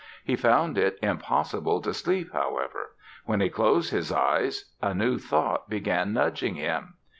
He found it impossible to sleep, however. When he closed his eyes a new thought began nudging him.